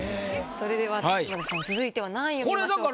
それでは浜田さん続いては何位を見ましょうか？